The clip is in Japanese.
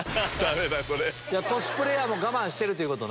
コスプレーヤーも我慢してるっていうことね。